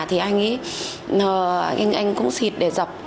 thì anh ấy anh cũng xịt để dập